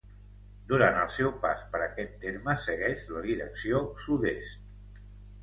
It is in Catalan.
Durant el seu pas per aquest terme segueix la direcció sud-est.